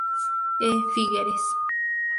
E. Figueres.